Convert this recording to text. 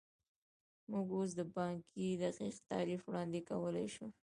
موږ اوس د پانګې دقیق تعریف وړاندې کولی شو